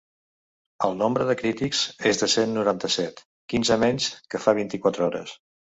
El nombre de crítics és de cent noranta-set, quinze menys que fa vint-i-quatre hores.